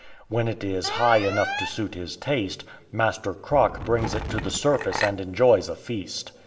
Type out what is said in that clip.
When it is " high " enough to suit his taste, Master Croc brings it to the surface and enjoys a feast.